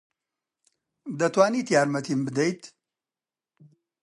دەتوانیت یارمەتیم بدەیت؟